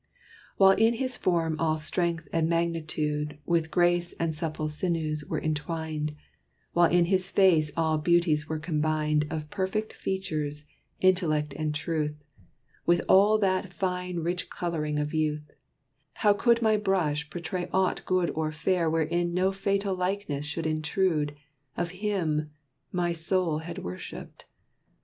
While in his form all strength and magnitude With grace and supple sinews were entwined, While in his face all beauties were combined Of perfect features, intellect and truth, With all that fine rich coloring of youth, How could my brush portray aught good or fair Wherein no fatal likeness should intrude Of him my soul had worshiped?